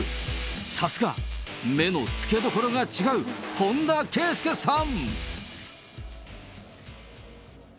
さすが、目の付け所が違う、本田圭佑さん。